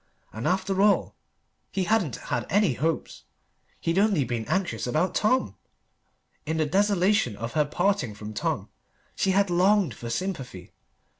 And after all he hadn't had any hopes: he'd only been anxious about Tom! In the desolation of her parting from Tom she had longed for sympathy.